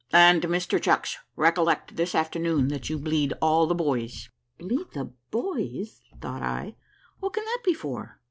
"And, Mr Chucks, recollect this afternoon that you bleed all the buoys." Bleed the boys! thought I, what can that be for?